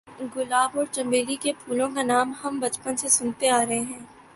گلاب اور چنبیلی کے پھولوں کا نام ہم بچپن سے سنتے آ رہے ہیں۔